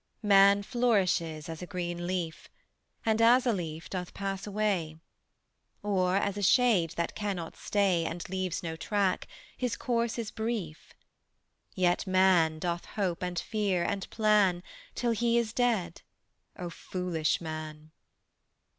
Man flourishes as a green leaf, And as a leaf doth pass away; Or, as a shade that cannot stay And leaves no track, his course is brief: Yet man doth hope and fear and plan Till he is dead: O foolish man!